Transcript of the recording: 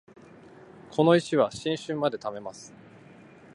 この石は新春まで貯めます